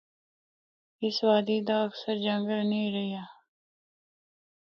اس وادی دا اکثر جنگل نیں رہیا۔